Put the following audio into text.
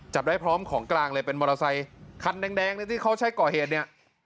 จับได้พร้อมของกลางเลยเป็นมอเตอร์ไซคันแดงที่เขาใช้ก่อเหตุเนี่ย